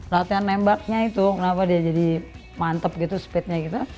latihan nembaknya itu kenapa dia jadi mantep gitu speednya gitu